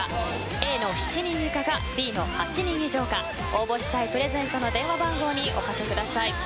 Ａの７人以下かＢの８人以上か応募したいプレゼントの電話番号におかけください。